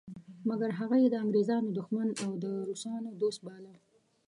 مګر هغه یې د انګریزانو دښمن او د روسانو دوست باله.